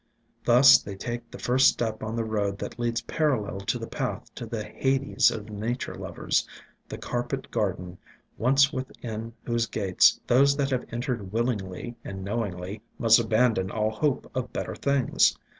Thus they take the first step on the road that leads parallel to the path to the hades of nature lovers, the carpet gar den, once within whose gates those that have en tered willingly and knowingly must abandon all hope of better things.